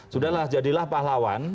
sudah lah jadilah pahlawan